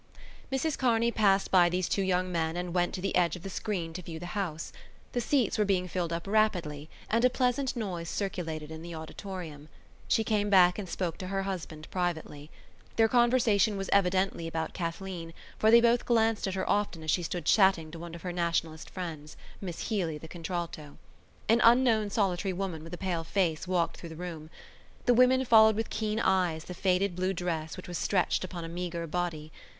Mrs Kearney passed by these two young men and went to the edge of the screen to view the house. The seats were being filled up rapidly and a pleasant noise circulated in the auditorium. She came back and spoke to her husband privately. Their conversation was evidently about Kathleen for they both glanced at her often as she stood chatting to one of her Nationalist friends, Miss Healy, the contralto. An unknown solitary woman with a pale face walked through the room. The women followed with keen eyes the faded blue dress which was stretched upon a meagre body.